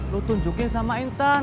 lu tunjukin sama intan